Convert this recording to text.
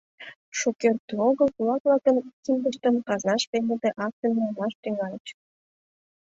Шукерте огыл кулак-влакын киндыштым казнаш пеҥгыде ак дене налаш тӱҥальыч.